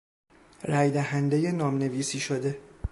رایدهندهی نام نویسی شده